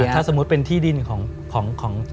ถ้าสมมุติเป็นที่ดินของ